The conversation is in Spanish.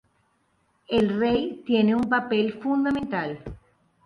El rey tiene un papel fundamental.